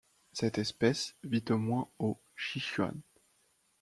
Cette espèce vit au moins au Sichuan.